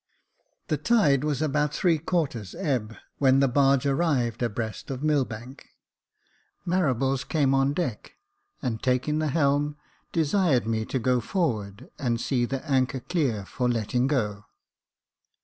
The tide was about three quarters ebb, when the barge arrived abreast of Millbank. Marables came on deck, and taking the helm, desired me to go forward and see the anchor clear for letting go.